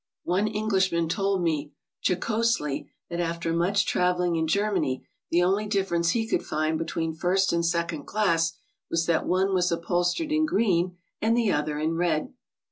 One Englishman told me jocosely that after much trav eling in Germany, the only difference he could find between first and second class was that one was upholstered in green and the other in red.